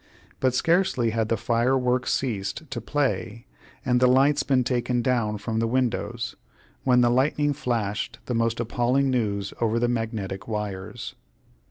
But scarcely had the fireworks ceased to play, and the lights been taken down from the windows, when the lightning flashed the most appalling news over the magnetic wires.